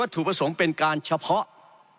ถูกประสงค์เป็นการเฉพาะ